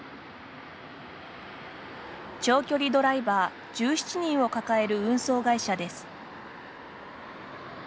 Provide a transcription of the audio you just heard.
長距離ドライバー１７人を抱える運送会社です。